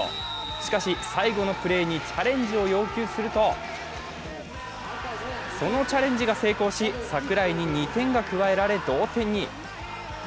しかし最後のプレーにチャレンジを要求するとそのチャレンジが成功し、櫻井に２点が加えられ、同点に。